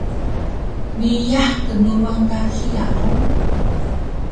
Meiyah knuwan ka hiya hug?